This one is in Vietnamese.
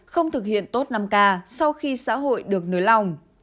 không thực hiện tốt năm k sau khi xã hội được nới lỏng